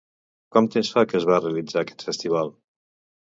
Quant temps fa que es realitza aquest festival?